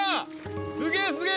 すげえすげえ